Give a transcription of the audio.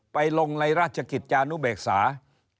ไปลงในราชกิจจานุเบกษาไปแล้ว๙๐วัน